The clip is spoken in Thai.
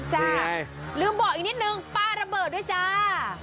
ลืมบอกอีกนิดนึงป้าระเบิดด้วยจ้า